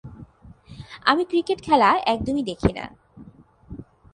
আমি ক্রিকেট খেলা একদমই দেখিনা।